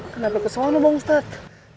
kenapa keselalu bang ustaz